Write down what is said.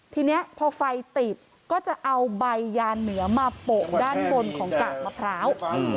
ทีนี้พอไฟติดก็จะเอาใบยาเหนือมาโปะด้านบนของกากมะพร้าว